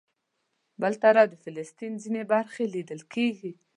بل طرف د فلسطین ځینې برخې لیدل کېږي.